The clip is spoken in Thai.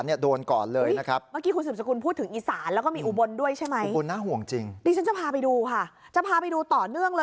หรือหารูอะไรสักอย่างนี่มันไม่ใช่นะ